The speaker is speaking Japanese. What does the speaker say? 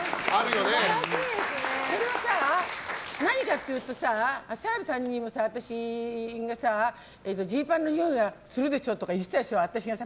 それはさ、何かっていうとさ澤部さんにもさ、私がジーパンのにおいがするでしょとか言っていたでしょう。